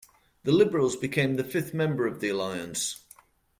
The Liberals became the fifth member of the Alliance.